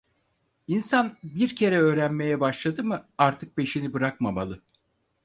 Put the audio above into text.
İnsan bir kere öğrenmeye başladı mı, artık peşini bırakmamalı.